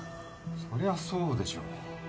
そりゃそうでしょう